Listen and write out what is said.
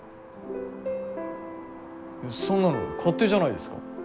そんなの勝手じゃないですか。